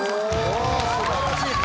お素晴らしい。